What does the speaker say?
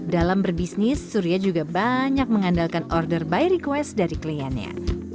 dalam berbisnis surya juga banyak mengandalkan order by request dari kliennya